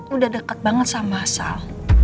udah dekat banget sama sal